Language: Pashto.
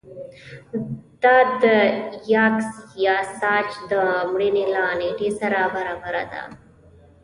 دا د یاکس یاساج د مړینې له نېټې سره برابره ده